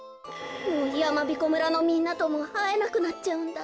もうやまびこ村のみんなともあえなくなっちゃうんだ。